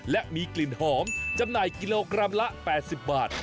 และมีกลิ่นหอมจำหน่ายกิโลกรัมละ๘๐บาท